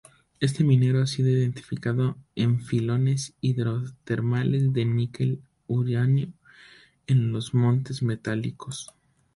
Este mineral ha sido identificado en filones hidrotermales de níquel-uranio en los montes Metálicos.